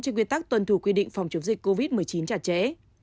trên quy tắc tuần thủ quy định phòng chống dịch covid một mươi chín trả trễ